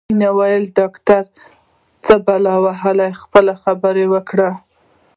مينې وویل ډاکټر څه په بلا وهې خپله خبره وکړه